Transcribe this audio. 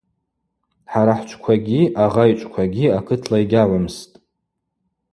Хӏара хӏчӏвквагьи агъа йчӏвквагьи акытла йгьагӏвымстӏ.